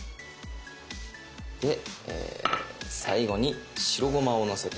で最後に白ごまをのせて。